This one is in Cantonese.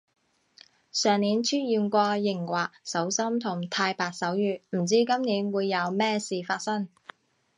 上年出現過熒惑守心同太白守月，唔知今年會有咩事發生